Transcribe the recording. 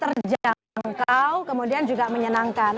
terjangkau kemudian juga menyenangkan